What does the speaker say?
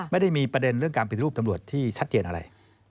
ไม่ได้มีประเด็นเรื่องการเป็นรูปตำรวจที่ชัดเจนอะไร